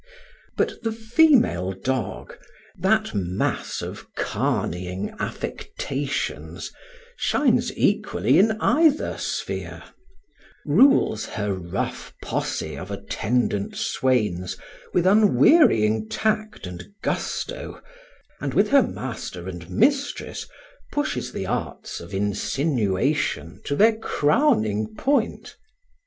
But the female dog, that mass of carneying affectations, shines equally in either sphere; rules her rough posse of attendant swains with unwearying tact and gusto; and with her master and mistress pushes the arts of insinuation to their crowning point.